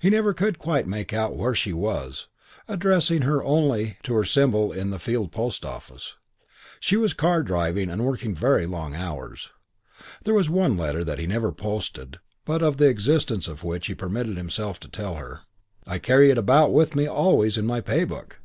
He never could quite make out where she was, addressing her only to her symbol in the Field post office. She was car driving and working very long hours. There was one letter that he never posted but of the existence of which he permitted himself to tell her. "I carry it about with me always in my Pay book.